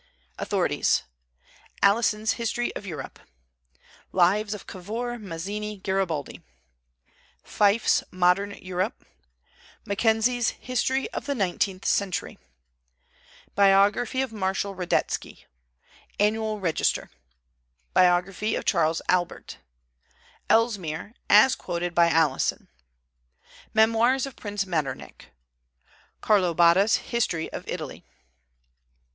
AUTHORITIES. Alison's History of Europe; Lives of Cavour, Mazzini, Garibaldi; Fyffe's Modern Europe; Mackenzie's History of the Nineteenth Century; Biography of Marshal Radetsky; Annual Register; Biography of Charles Albert; Ellesmere, as quoted by Alison; Memoirs of Prince Metternich; Carlo Botta's History of Italy.